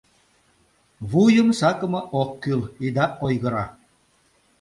Вуйым сакыме ок кӱл, ида ойгыро!